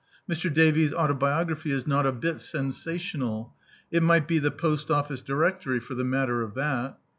Mr. Davies* auto biography is not a bit sensational : it mi^t be the Post Office Directory for the matter of that.